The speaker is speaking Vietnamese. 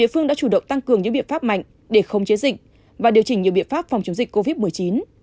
phương đã chủ động tăng cường những biện pháp mạnh để không chế dịch và điều chỉnh nhiều biện pháp phòng chống dịch covid một mươi chín